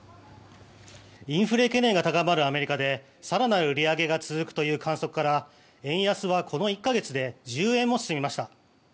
インフレ懸念が高まるアメリカで更なる利上げが続くという観測から円安はこの１か月で１０円も進みました。